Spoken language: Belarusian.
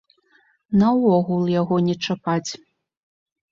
Наогул яго не чапаць.